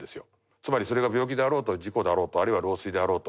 つまりそれが病気であろうと事故であろうとあるいは老衰であろうと。